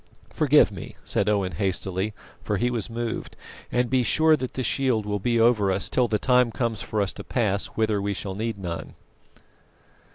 "Forgive me," said Owen hastily, for he was moved; "and be sure that the shield will be over us till the time comes for us to pass whither we shall need none."